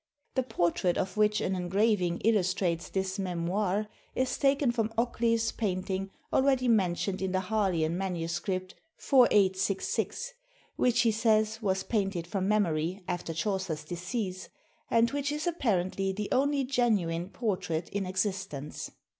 The portrait of which an engraving illustrates this memoir, is taken from Occleve's painting already mentioned in the Harleian MS. 4866, which he says was painted from memory after Chaucer's decease, and which is apparently the only genuine portrait in existence.